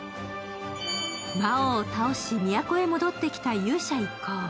魔王を倒し、都へ戻ってきた勇者一行。